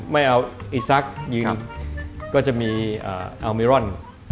ไม่เอาอีซักยิงก็จะมีอัลเมรอน